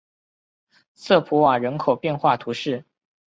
瑟普瓦人口变化图示